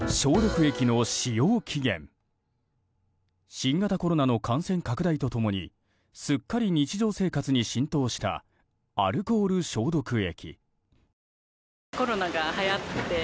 新型コロナの感染拡大と共にすっかり日常生活に浸透したアルコール消毒液。